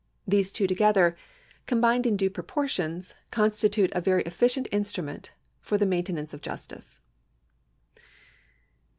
These two together, combined in due proportions, constitute a very efficient instrument for the maintenance of justice.